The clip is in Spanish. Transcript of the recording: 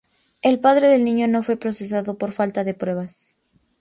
El padre del niño no fue procesado por falta de pruebas.